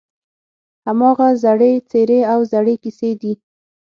هماغه زړې څېرې او زړې کیسې دي.